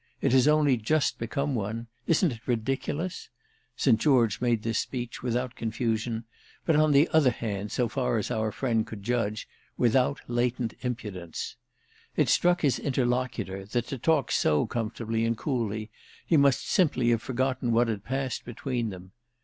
It has only just become one. Isn't it ridiculous?" St. George made this speech without confusion, but on the other hand, so far as our friend could judge, without latent impudence. It struck his interlocutor that, to talk so comfortably and coolly, he must simply have forgotten what had passed between them.